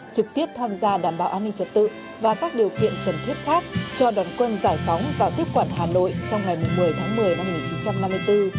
trực tiếp tham gia đảm bảo an ninh trật tự và các điều kiện cần thiết khác cho đóng quân giải phóng và tiếp quản hà nội trong ngày một mươi tháng một mươi năm một nghìn chín trăm năm mươi bốn